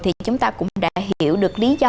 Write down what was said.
thì chúng ta cũng đã hiểu được lý do